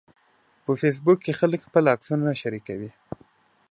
په فېسبوک کې خلک خپل عکسونه شریکوي